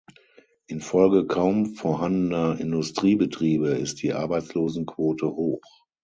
Infolge kaum vorhandener Industriebetriebe ist die Arbeitslosenquote hoch.